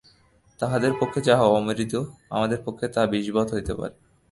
তাহাদের পক্ষে যাহা অমৃত, আমাদের পক্ষে তাহা বিষবৎ হইতে পারে।